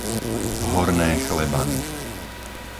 Horné Chlebany